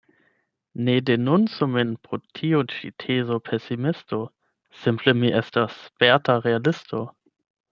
Ne denuncu min pro tiu ĉi tezo pesimisto; simple mi estas sperta realisto.